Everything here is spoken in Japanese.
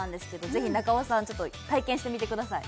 ぜひ中尾さんちょっと体験してみてください